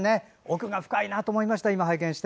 奥が深いなと思いました。